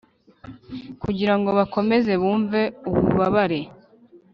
kugira ngo bakomeze bumve ububabare.